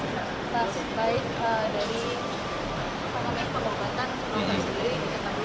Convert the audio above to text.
terima kasih baik pak